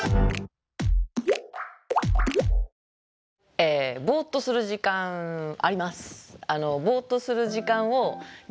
えぼーっとする時間あります。